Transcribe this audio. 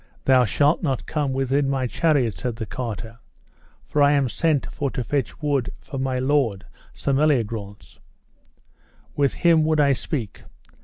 Thou shalt not come within my chariot, said the carter, for I am sent for to fetch wood for my lord, Sir Meliagrance. With him would I speak.